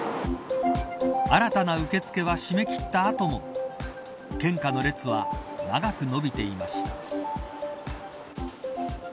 新たな受け付けは締め切った後も献花の列は長く延びていました。